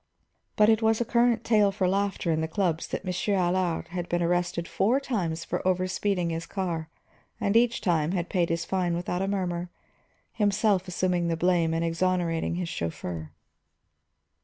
But it was a current tale for laughter in the clubs that Monsieur Allard had been arrested four times for over speeding his car and each time had paid his fine without a murmur, himself assuming the blame and exonerating his chauffeur.